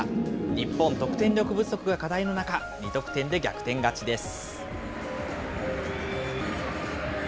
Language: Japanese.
日本、得点力不足が課題の中、２得点で逆転勝ちです。